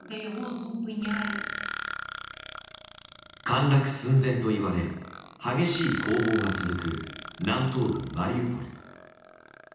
陥落寸前といわれ激しい攻防が続く南東部マリウポリ。